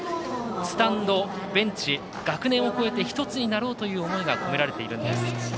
スタンド、ベンチ、学年を超えて１つになろうという思いが込められているんです。